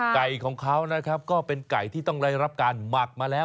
ไก่ของเขานะครับก็เป็นไก่ที่ต้องได้รับการหมักมาแล้ว